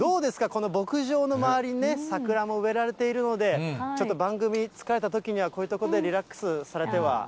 この牧場の周りにね、桜も植えられているので、ちょっと番組、疲れたときには、こういった所でリラックスされては？